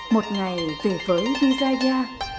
một ngày về với vizaya